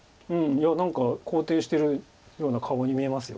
いや何か肯定してるような顔に見えます